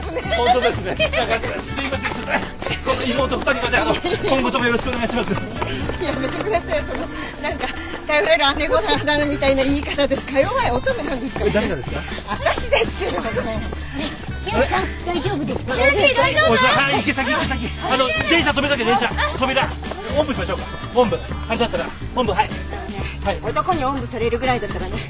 男におんぶされるぐらいだったらね